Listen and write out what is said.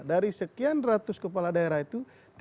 dari sekian ratus kepala daerah itu